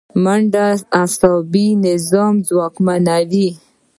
منډه عصبي نظام ځواکمنوي